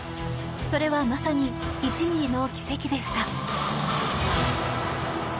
それは、まさに１ｍｍの奇跡でした。